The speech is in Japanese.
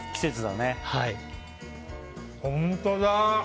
本当だ！